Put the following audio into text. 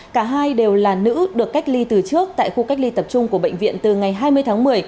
cả hai đều là nữ được cách ly từ trước tại khu cách ly tập trung của bệnh viện từ ngày hai mươi tháng một mươi